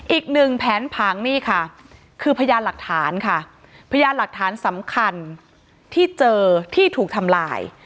อีกหนึ่งแผนผังนี่ค่ะคือพยานหลักฐานค่ะพยานหลักฐานสำคัญที่เจอที่ถูกทำลาย